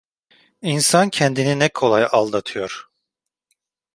İnsan kendini ne kolay aldatıyor.